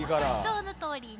そのとおりね。